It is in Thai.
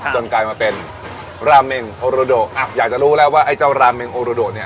กลายมาเป็นราเมงโฮโรโดอ่ะอยากจะรู้แล้วว่าไอ้เจ้าราเมงโอโดโดเนี่ย